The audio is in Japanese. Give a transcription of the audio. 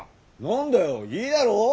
何だよいいだろう？